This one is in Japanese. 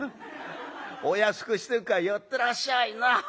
お安くしとくから寄ってらっしゃいな。